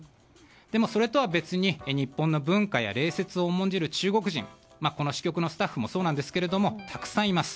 でもそれとは別に日本の文化や礼節を重んじる中国人、この支局のスタッフもそうですけどたくさんいます。